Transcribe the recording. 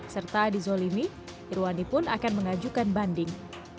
serta di zolimi irwandi pun akan mengajukan banding